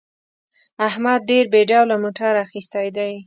احمد ډېر بې ډوله موټر اخیستی دی.